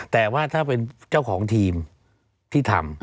แต่ว่าถ้าเป็นเจ้าของทีมที่ทำ